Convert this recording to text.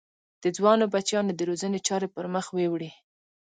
د ځوانو بچیانو د روزنې چارې پر مخ ویوړې.